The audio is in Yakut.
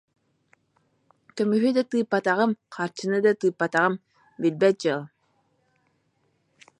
Көмүһү да тыыппатаҕым, харчыны да тыыппатаҕым, билбэт дьыалам